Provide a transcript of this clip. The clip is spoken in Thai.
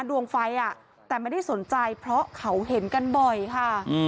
ดวงไฟแต่ไม่ได้สนใจเพราะเขาเห็นกันบ่อยค่ะ